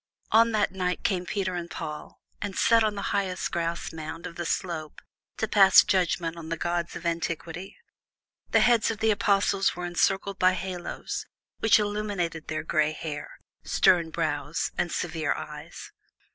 On that night came Peter and Paul, and sat on the highest grassmound of the slope to pass judgment on the gods of antiquity. The heads of the Apostles were encircled by halos, which illuminated their gray hair, stern brows, and severe eyes.